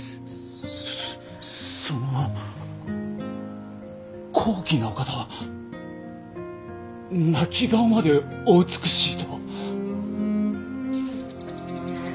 その高貴なお方は泣き顔までお美しいと！